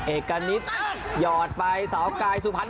เอะกะนิดยอดไปเสาไกรสุภัณฑ์